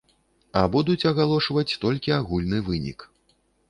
А будуць агалошваць толькі агульны вынік.